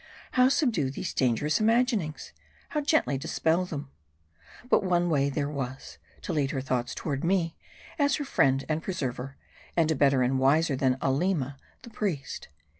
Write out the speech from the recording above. How subdue these dangerous imaginings ? How gently dispel them ? But one way there was : to lead her thoughts toward me, as her friend and preserver ; and a better and wiser than Aleema the priest.